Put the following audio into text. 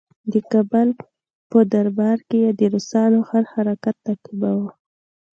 د کابل په دربار کې یې د روسانو هر حرکت تعقیباوه.